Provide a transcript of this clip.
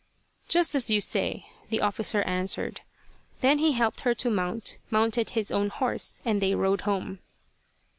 "Just as you say," the officer answered. Then he helped her to mount, mounted his own horse, and they rode home.